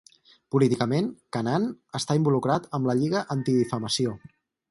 Políticament, Kanan està involucrat amb la Lliga Antidifamació.